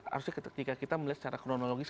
harusnya ketika kita melihat secara kronologis